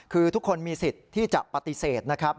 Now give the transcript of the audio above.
คือทุกคนมีสิทธิ์ที่จะปฏิเสธนะครับ